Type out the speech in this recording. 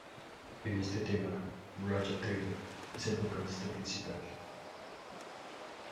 En este tema, Roger Taylor es el vocalista principal.